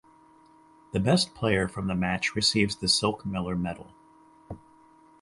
The best player from the match receives the Silk-Miller Medal.